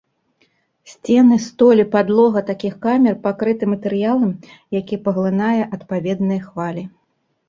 Сцены, столь і падлогу такіх камер пакрыты матэрыялам, які паглынае адпаведныя хвалі.